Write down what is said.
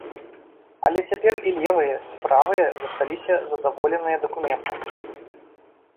Але цяпер і левыя, і правыя засталіся задаволеныя дакументам.